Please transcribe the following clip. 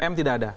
m tidak ada